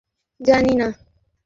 জানি, মা।